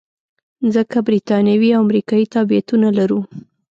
ځکه بریتانوي او امریکایي تابعیتونه لرو.